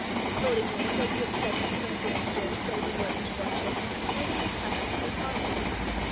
Voting women may be expected to influence Bills both in their introduction and in their passage through Parliament.